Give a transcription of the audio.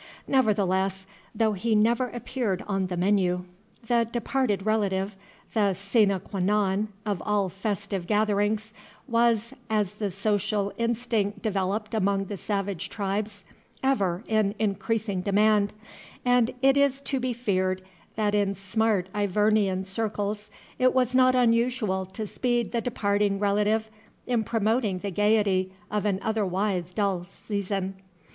Nevertheless, though he never appeared on the menu, the "departed relative," the sine qua non of all festive gatherings, was (as the social instinct developed among the savage tribes) ever in increasing demand, and it is to be feared that in smart Ivernian circles it was not unusual to speed the departing relative in promoting the gaiety of an otherwise dull season.